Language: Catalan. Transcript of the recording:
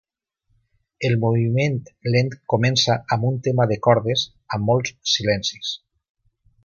El moviment lent comença amb un tema de cordes amb molts silencis.